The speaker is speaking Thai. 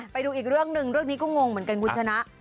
ไปดูอีกเรื่องหนึ่งเรื่องนี้ก็งงเหมือนกันคุณชนะ